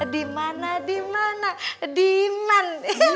dimana dimana diman